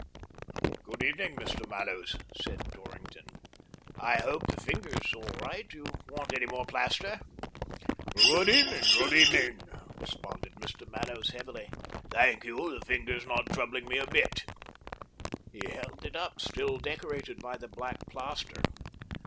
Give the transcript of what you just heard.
" Good evening, Mr. Mallows," said Dorrington. " I hope the finger's all right ? Want any more plaster?" " Good evening, good evening," responded Mr. Mallows heavily. " Thank you, the finger's not troubling me a bit." He held it up, still decorated by the black plaster.